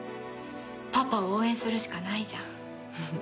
パパを応援するしかないじゃん。